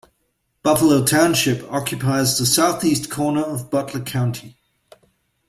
Buffalo Township occupies the southeast corner of Butler County.